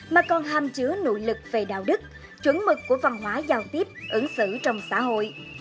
mà còn hàm chứa nội lực về đạo đức chuẩn mực của văn hóa giao tiếp ứng xử trong xã hội